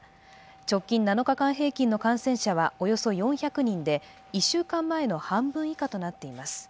直近７日間平均の感染者はおよそ４００人で、１週間前の半分以下となっています。